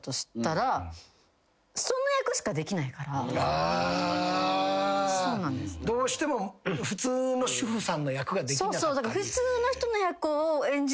例えば。どうしても普通の主婦さんの役ができなかったり。